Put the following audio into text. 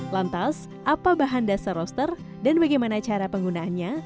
lantas apa bahan dasar roster dan bagaimana cara penggunaannya